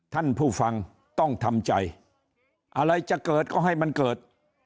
ท่านผู้ฟังต้องทำใจอะไรจะเกิดก็ให้มันเกิด